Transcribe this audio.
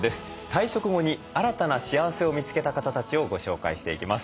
退職後に新たな幸せを見つけた方たちをご紹介していきます。